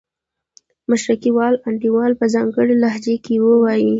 مشرقي وال انډیوال په ځانګړې لهجه کې وایي.